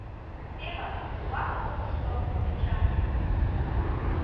Тевак, шола могырышто, олича.